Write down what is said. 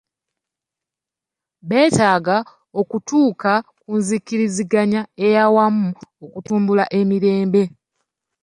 Betaaga okutuuka ku nzikiriziganya eyawamu okutumbula emirembe.